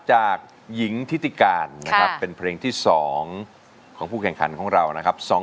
จากหญิงทิติการนะครับเป็นเพลงที่๒ของผู้แข่งขันของเรานะครับ